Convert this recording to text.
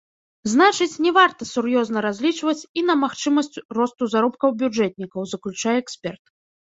Значыць, не варта сур'ёзна разлічваць і на магчымасць росту заробкаў бюджэтнікаў, заключае эксперт.